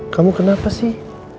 kamu kenapa sih